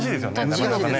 なかなかね